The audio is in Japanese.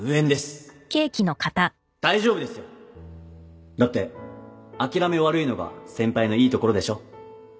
大丈夫ですよだって諦め悪いのが先輩のいいところでしょ